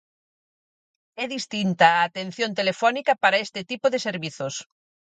É distinta a atención telefónica para este tipo de servizos.